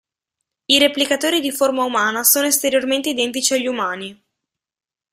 I Replicatori di forma umana sono esteriormente identici agli umani.